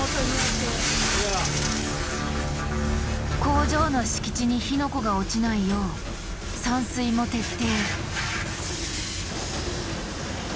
工場の敷地に火の粉が落ちないよう散水も徹底。